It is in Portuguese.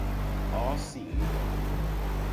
Oh sim.